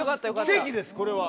奇跡ですこれは。